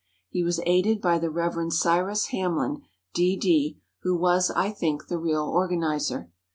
He was aided by the Reverend Cyrus Hamlin, D.D., who was, I think, the real organizer.